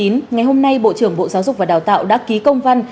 ngày hôm nay bộ trưởng bộ giáo dục và đào tạo đã ký công văn